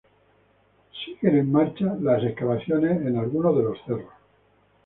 Siguen en marcha las excavaciones en algunos de los cerros.